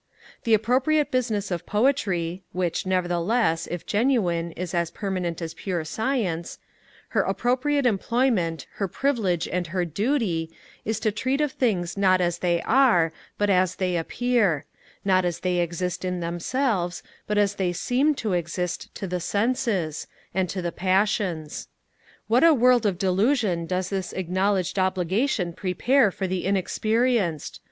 The appropriate business of poetry (which, nevertheless, if genuine, is as permanent as pure science), her appropriate employment, her privilege and her duty, is to treat of things not as they are, but as they appear; not as they exist in themselves, but as they seem to exist to the senses, and to the passions. What a world of delusion does this acknowledged obligation prepare for the inexperienced!